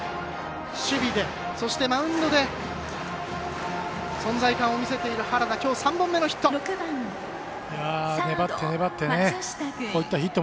守備で、そしてマウンドで存在感を見せている原田、きょう３本目のヒット。